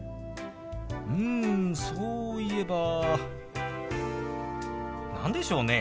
うんそういえば何でしょうね。